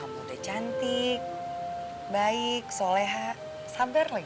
kamu udah cantik baik soleha sabar lagi